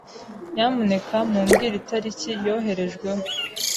Nyamuneka mumbwire itariki yoherejweho?